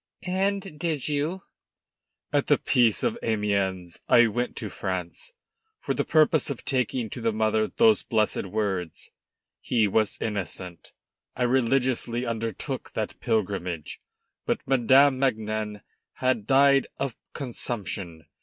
"And did you?" "At the peace of Amiens I went to France, for the purpose of taking to the mother those blessed words, 'He was innocent.' I religiously undertook that pilgrimage. But Madame Magnan had died of consumption.